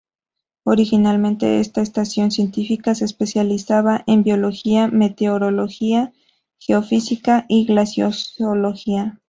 Originalmente esta estación científica se especializaba en biología, meteorología, geofísica y glaciología.